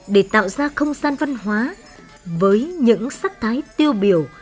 để tạo ra không gian văn hóa với những sắc thái tiêu biểu